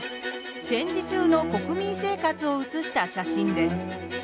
戦時中の国民生活を写した写真です。